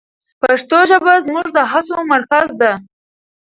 پښتو ژبه زموږ د هڅو مرکز ده.